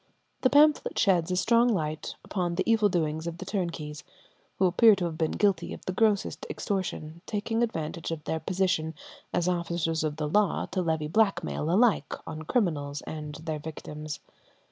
The pamphlet sheds a strong light upon the evil doings of the turnkeys, who appear to have been guilty of the grossest extortion, taking advantage of their position as officers of the law to levy blackmail alike on criminals and their victims.